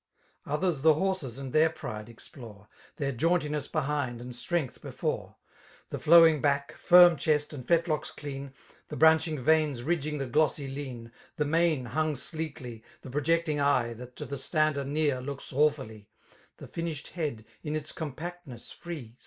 Others the horses and their pride explore, ' Their jauntiness behind and strength before; The flowing back, firm chest, and fetlocks clea». The brandling veins ridging the glossy lean. The mime hung sleddy, the projecting eye That to the stander near looks awfoUy, T^e finished head, in its compactness free.